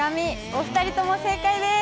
お２人とも正解です。